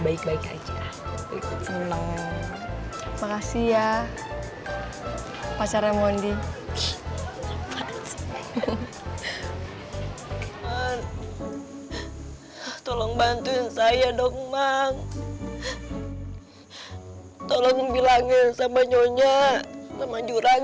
biar saya gak dipecat sama nyonya sama tuhan